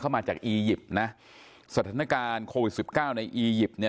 มาจากอียิปต์นะสถานการณ์โควิดสิบเก้าในอียิปต์เนี่ย